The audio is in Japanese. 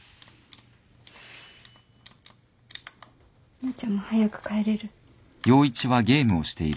陽ちゃんも早く帰れる？